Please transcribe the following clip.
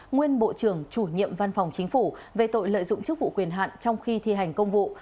nguyên bộ trưởng chủ nhiệm văn phòng chính phủ về tội lợi dụng chức vụ quyền hạn trong khi thi hành công vụ